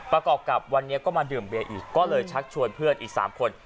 ประกอบกับวันนี้ก็มาดื่มเบียอีกก็เลยชักชวนเพื่อนอีก๓คน